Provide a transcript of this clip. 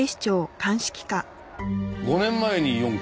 ５年前に４件。